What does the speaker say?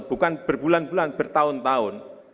bukan berbulan bulan bertahun tahun